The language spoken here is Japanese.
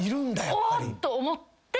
おーっと思って。